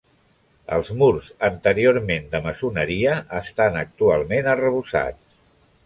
Els murs anteriorment de maçoneria, estan actualment arrebossats.